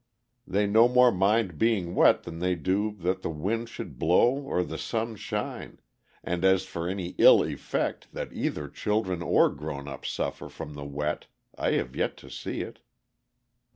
They no more mind being wet than they do that the wind should blow or the sun shine, and as for any ill effect that either children or grown ups suffer from the wet, I have yet to see it.